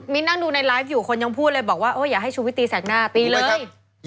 มีนั่งดูในไลฟ์อยู่คนยังพูดเลยบอกว่าอย่าให้ชุวิตตีแสกหน้าตีเลย